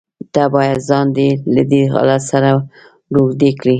ته بايد ځان له دې حالت سره روږدى کړې.